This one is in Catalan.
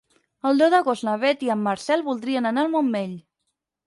El deu d'agost na Beth i en Marcel voldrien anar al Montmell.